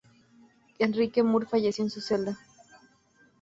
Enrique Mur falleció en su celda.